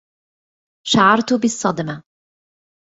شعرت بالصّدمة.